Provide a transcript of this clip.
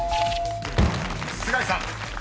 ［須貝さん］